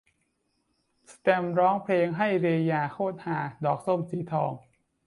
แสตมป์ร้องเพลงให้ "เรยา" โคตรฮา ! ดอกส้มสีทอง